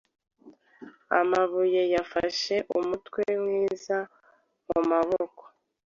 amabuyeYafashe umutwe mwiza mu maboko